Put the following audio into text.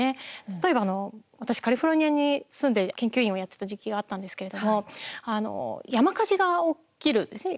例えば、私カリフォルニアに住んで研究員をやってた時期があったんですけれども山火事が起きるんですね。